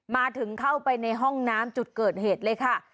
เข้าไปในห้องน้ำจุดเกิดเหตุเลยค่ะ